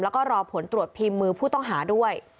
แล้วก็รอผลตรวจพิมพ์มือผู้ต้องหาด้วย